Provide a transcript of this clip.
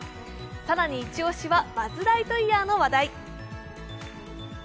更にイチ押しは「バズ・ライトイヤー」の話題。